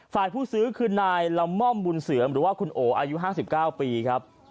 ผู้ซื้อคือนายละม่อมบุญเสริมหรือว่าคุณโออายุ๕๙ปีครับ